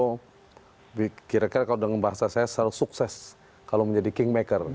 itu kira kira kalau dengan bahasa saya selalu sukses kalau menjadi kingmaker